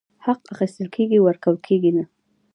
حق اخيستل کيږي، ورکول کيږي نه !!